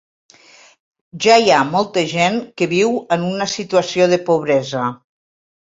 Ja hi ha molta gent que viu en una situació de pobresa.